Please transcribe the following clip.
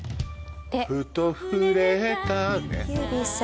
「ふと触れた」ね「指先」